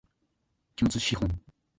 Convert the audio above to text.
期末資本